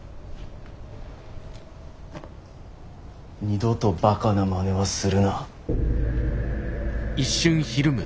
二度とバカなまねはするな。